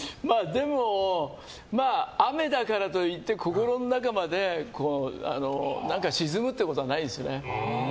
でも、雨だからといって心の中まで沈むということはないですね。